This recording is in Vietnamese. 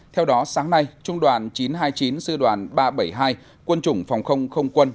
theo đó sáng nay trung đoàn chín trăm hai mươi chín sư đoàn ba trăm bảy mươi hai quân chủng phòng không không quân